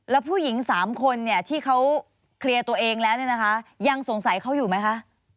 แล้วผู้หญิง๓คนที่เขาเคลียร์ตัวเองแล้วเนี่ยนะคะยังสงสัยเขาอยู่ไหมคะ